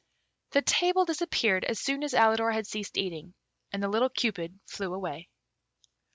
The table disappeared as soon as Alidor had ceased eating, and the little Cupid flew away.